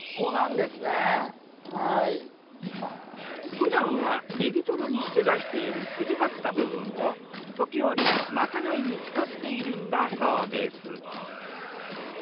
ふだんはネギトロにして出している筋ばった部分を時おりまかないに使っているんだそうです。